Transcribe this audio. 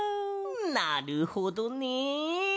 なるほどね。